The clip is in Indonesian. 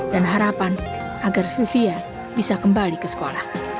dan harapan agar sylvia bisa kembali ke sekolah